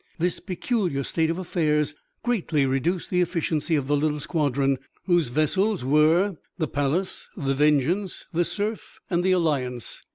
This peculiar state of affairs greatly reduced the efficiency of the little squadron, whose vessels were the Pallas, the Vengeance, the Cerf and the Alliance.